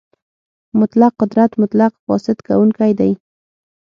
مطلق قدرت مطلق فاسد کوونکی دی.